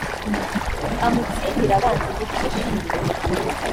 amutsindire abanzi n’ibindi